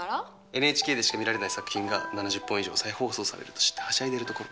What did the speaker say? ＮＨＫでしか見られない作品が７０本以上再放送されると知ってはしゃいでるところ。